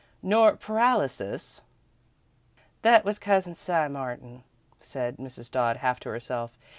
"Nor paralysis " "That was Cousin Si Martin," said Mrs. Dodd, half to herself.